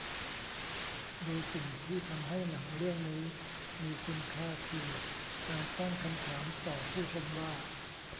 โดยสิ่งที่ทำให้หนังเรื่องนี้มีคุณค่าคือการตั้งคำถามต่อผู้ชมว่า